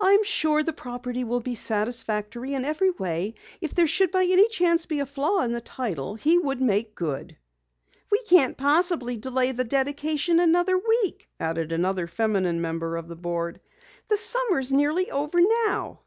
"I am sure the property will be satisfactory in every way. If there should by chance be any flaw in the title, he would make it good." "We can't possibly delay the dedication another week," added another feminine member of the board. "The summer is nearly over now."